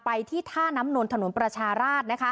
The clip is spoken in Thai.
ไปที่ท่าน้ำนนท์ถนนประชาราช